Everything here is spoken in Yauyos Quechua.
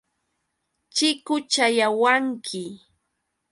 Chikuchayawanki.